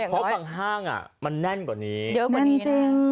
เพราะบางห้างมันแน่นกว่านี้